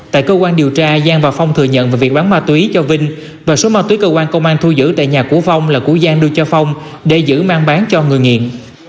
tại cơ quan điều tra giang và phong thừa nhận về việc bán ma túy cho vinh và số ma túy cơ quan công an thu giữ tại nhà của phong là của giang đưa cho phong để giữ mang bán cho người nghiện